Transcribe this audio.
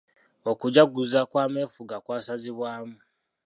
Okujaguza kw'amefuga kwasazibwamu.